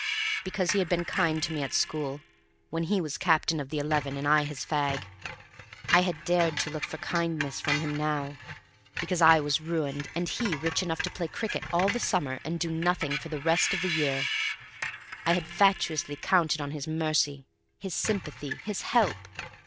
Because he had been kind to me at school, when he was captain of the eleven, and I his fag, I had dared to look for kindness from him now; because I was ruined, and he rich enough to play cricket all the summer, and do nothing for the rest of the year, I had fatuously counted on his mercy, his sympathy, his help!